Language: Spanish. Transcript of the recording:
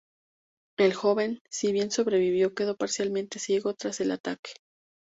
El joven, si bien sobrevivió, quedó parcialmente ciego tras el ataque.